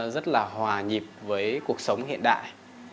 rất là hòa nhịp với cuộc sống hiện đại